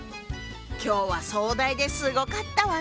今日は壮大ですごかったわね。